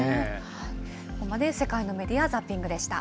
ここまで世界のメディア・ザッピングでした。